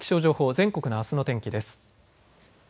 全国のあすの天気です。